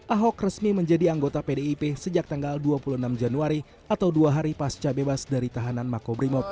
ahok resmi menjadi anggota pdip sejak tanggal dua puluh enam januari atau dua hari pasca bebas dari tahanan makobrimob